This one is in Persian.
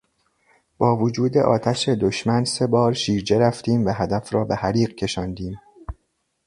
با وجود آتش دشمن سه بار شیرجه رفتیم و هدف را به حریق کشاندیم.